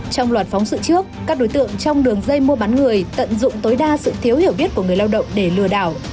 trong loạt phóng sự trước các đối tượng trong đường dây mua bán người tận dụng tối đa sự thiếu hiểu biết của người lao động để lừa đảo